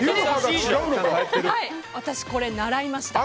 私、これ、習いました。